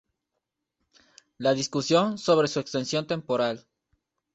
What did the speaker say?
la discusión sobre su extensión temporal